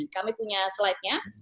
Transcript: kami punya slide nya